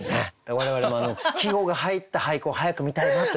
我々も季語が入った俳句を早く見たいなという思いが。